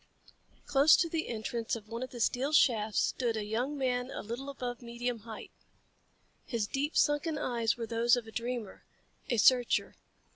Close to the entrance of one of the steel shafts stood a young man a little above medium height. His deep sunken eyes were those of a dreamer, a searcher.